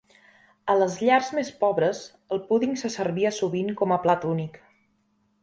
A les llars més pobres, el púding se servia sovint com a plat únic.